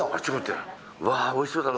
うわあ、おいしそうだな。